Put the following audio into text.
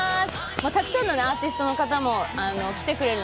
たくさんのアーティストの方も来てくれて。